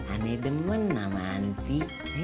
aneh demen sama anti